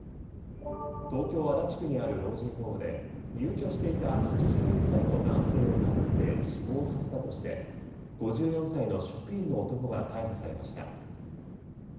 東京・足立区にある老人ホームで入居していた８１歳の男性を殴って死亡させたとして５４歳の職員の男が逮捕されました。